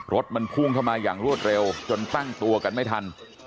รถมันพุ่งเข้ามาอย่างรวดเร็วจนตั้งตัวกันไม่ทัน